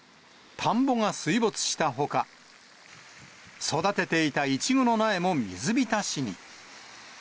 田んぼが水没したほか、育てていたイチゴの苗も水浸しに。